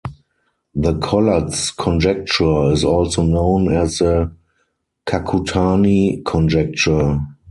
The Collatz conjecture is also known as the Kakutani conjecture.